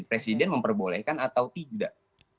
presiden memperbolehkan atau tidak